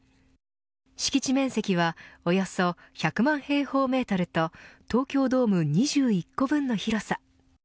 敷地面積はおよそ１００万平方メートルと東京ドーム２１個分の広さ。